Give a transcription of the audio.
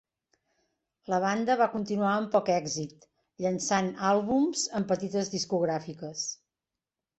La banda va continuar amb poc èxit, llançant àlbums amb petites discogràfiques.